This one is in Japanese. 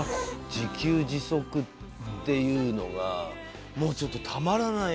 自給自足っていうのがもうちょっとたまらない。